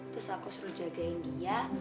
terus aku suruh jagain dia